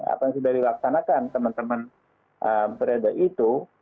atau sudah dilaksanakan teman teman perada itu